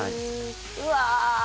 うわ！